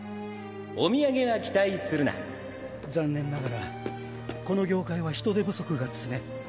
お土産は期待するな残念ながらこの業界は人手不足が常。